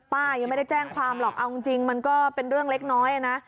ป้ายังไม่ได้แจ้งความหรอกเอาจริงมันก็เป็นเรื่องเล็กน้อยนะ